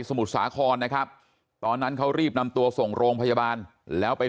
มุทรสาครนะครับตอนนั้นเขารีบนำตัวส่งโรงพยาบาลแล้วไป